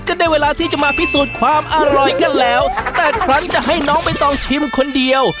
ก็ได้เวลาที่จะมาพิสูจน์ความอร่อยกันแล้วแต่ครั้งจะให้น้องใบตองชิมคนเดียว